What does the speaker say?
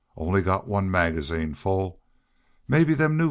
Only got one magazine full. Mebbe them new